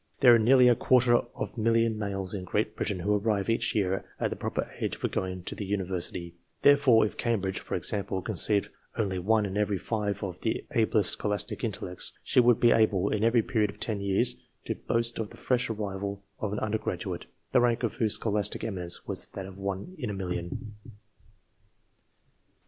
There are nearly a quarter of a million males in Great Britain who arrive each year at the proper age for going to the Uni versity : therefore, if Cambridge, for example, received only one in every five of the ablest scholastic intellects, she would be able, in every period of twenty years, to boast of the fresh arrival of an undergraduate, the rank of whose scholastic eminence was that of one in a million.